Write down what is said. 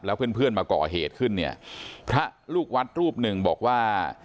แล้วเพื่อนเพื่อนมาก่อเหตุขึ้นเนี่ยพระลูกวัดรูปหนึ่งบอกว่า